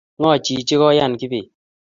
"Ngo chichi?"koyaan kibet